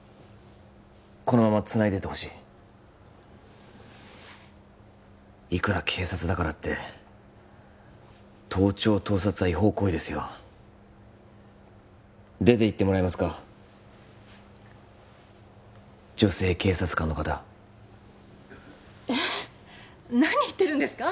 このままつないでてほしいいくら警察だからって盗聴・盗撮は違法行為ですよ出ていってもらえますか女性警察官の方えっ何言ってるんですか？